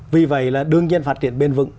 vì vậy là đương nhiên phát triển bền vững